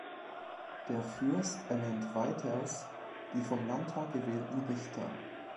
Der Fürst ernennt weiters die vom Landtag gewählten Richter.